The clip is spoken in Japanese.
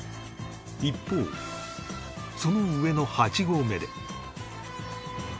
一方その上の８合目で